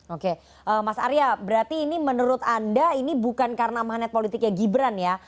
oke mas arya berarti ini menurut anda ini bukan karena magnet politiknya gibran ya